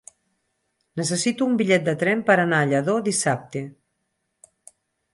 Necessito un bitllet de tren per anar a Lladó dissabte.